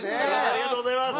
ありがとうございます。